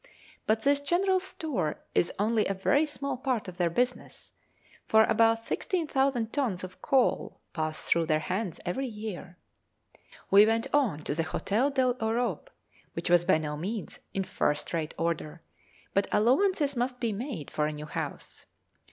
But this general store is only a very small part of their business, for about 60,000 tons of coal pass through their hands every year. We went on to the Hôtel de l'Europe, which was by no means in first rate order, but allowances must be made for a new house.